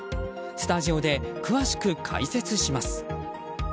スタジオで詳しく解説します。